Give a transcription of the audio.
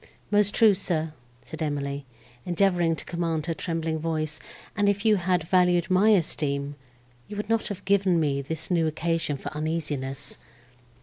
"Most true, sir," replied Emily, endeavouring to command her trembling voice; "and if you had valued my esteem, you would not have given me this new occasion for uneasiness."